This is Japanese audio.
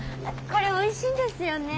これ美味しいんですよね。